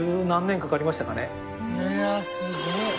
いやすごい！